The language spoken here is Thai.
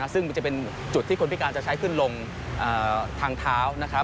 ซึ่งมันจะเป็นจุดที่คนพิการจะใช้ขึ้นลงทางเท้า